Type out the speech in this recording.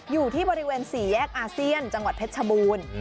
อยู่ที่บริเวณ๔แยกอาเซียนจังหวัดเพชรชบูรณ์